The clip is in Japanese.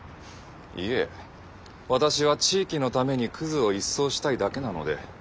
いえ私は地域のためにクズを一掃したいだけなので。